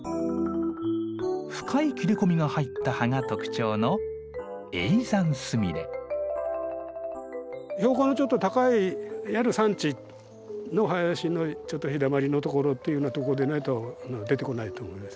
深い切れ込みが入った葉が特徴の標高のちょっと高いいわゆる山地の林のちょっと日だまりの所というようなとこでないと出てこないと思います。